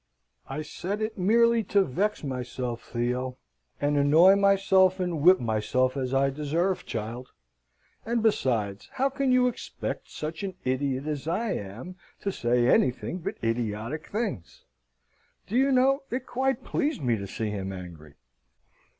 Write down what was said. "I said it merely to vex myself, Theo, and annoy myself, and whip myself, as I deserve, child. And, besides, how can you expect such an idiot as I am to say anything but idiotic things? Do you know, it quite pleased me to see him angry.